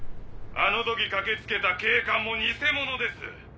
あのとき駆け付けた警官も偽物です！